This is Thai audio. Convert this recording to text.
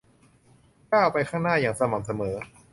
ก้าวไปข้างหน้าอย่างสม่ำเสมอ